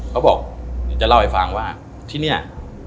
เขาบอกอยากจะเล่าให้ฟังว่าที่เนี่ย